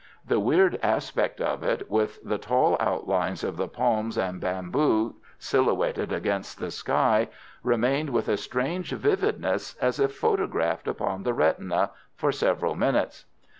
The weird aspect of it, with the tall outlines of the palms and bamboo silhouetted against the sky, remained with a strange vividness as if photographed upon the retina, for several minutes.